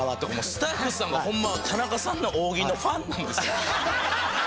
スタッフさんがホンマ田中さんの大喜利のファンなんだそうです。